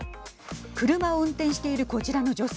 車を運転しているこちらの女性。